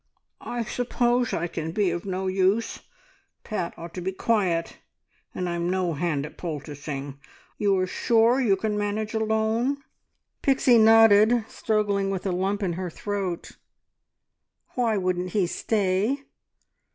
"I suppose I can be of no use! Pat ought to be quiet, and I'm no hand at poulticing. You are sure you can manage alone?" Pixie nodded, struggling with a lump in her throat. Why wouldn't he stay?